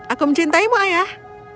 aku mencintaimu ayah